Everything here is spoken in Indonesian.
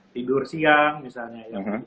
tidur siang misalnya